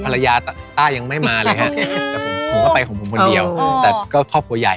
ภรรยาต้ายังไม่มาเลยครับผมก็ไปของผมคนเดียวแต่ก็พ่อผู้ใหญ่